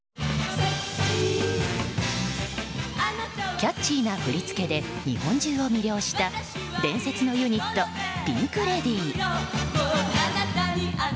キャッチーな振り付けで日本中を魅了した伝説のユニットピンク・レディー。